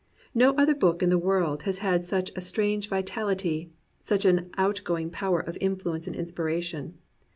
No other book in the world has had such a strange vitality, such an outgoing power of influence and inspiration.